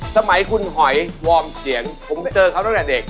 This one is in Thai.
สมัยคุณหอยวอร์มเจียนผมเจอเขาตั้งแต่เด็ก